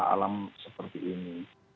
karena alam seperti ini